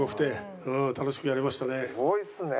すごいですね。